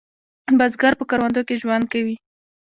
بزګر په کروندو کې ژوند کوي